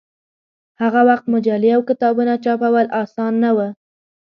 هغه وخت مجلې او کتابونه چاپول اسان نه و.